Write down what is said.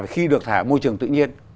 khi được thả môi trường tự nhiên